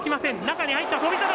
中に入った翔猿。